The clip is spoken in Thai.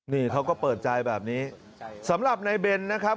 นี่เขาก็เปิดใจแบบนี้สำหรับนายเบนนะครับ